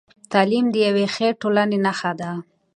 تعلیم د یوې ښې ټولنې نښه ده.